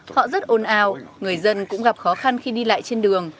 họ rất ồn ào người dân cũng gặp khó khăn khi đi lại trên đường